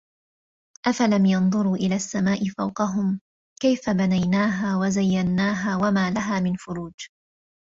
أَفَلَمْ يَنْظُرُوا إِلَى السَّمَاءِ فَوْقَهُمْ كَيْفَ بَنَيْنَاهَا وَزَيَّنَّاهَا وَمَا لَهَا مِنْ فُرُوجٍ